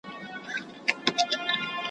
مرګ مشر او کشر ته نه ګوري `